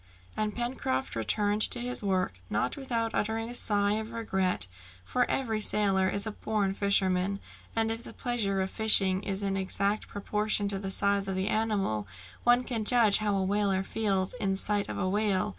And Pencroft returned to his work, not without uttering a sigh of regret, for every sailor is a born fisherman, and if the pleasure of fishing is in exact proportion to the size of the animal, one can judge how a whaler feels in sight of a whale.